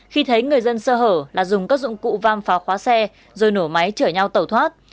khi thấy người dân sơ hở là dùng các dụng cụ vam phá khóa xe rồi nổ máy chở nhau tẩu thoát